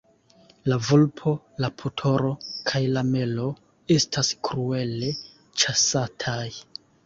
La vulpo, la putoro kaj la melo estas kruele ĉasataj.